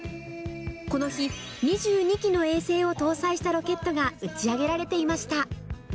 この日、２２基の衛星を搭載したロケットが打ち上げられていました。